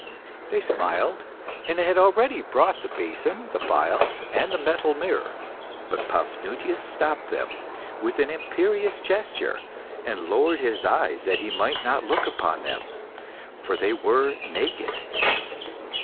They smiled, and had already brought the basin, the phials, and the metal mirror. But Paphnutius stopped them with an imperious gesture, and lowered his eyes that he might not look upon them, for they were naked.